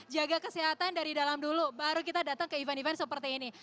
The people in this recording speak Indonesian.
jaga kesehatan dari dalam dulu baru kita datang ke event event seperti ini